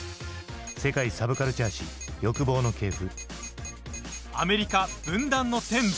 「世界サブカルチャー史欲望の系譜」